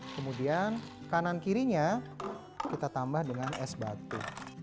kemudian kanan kirinya kita tambah dengan es batu